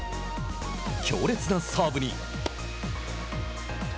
強烈なサーブに。